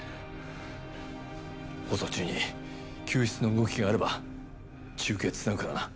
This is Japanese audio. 放送中に救出の動きがあれば中継つなぐからな。